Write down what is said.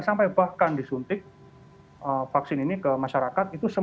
sampai bahkan disuntik vaksin ini ke masyarakat itu